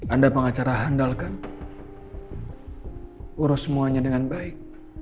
anda pengacara handalkan urus semuanya dengan baik